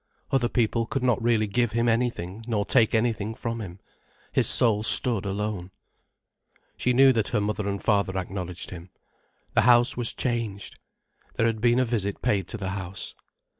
Other people could not really give him anything nor take anything from him. His soul stood alone. She knew that her mother and father acknowledged him. The house was changed. There had been a visit paid to the house.